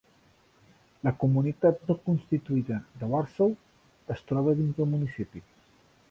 La comunitat no constituïda de Warsaw es troba dins del municipi.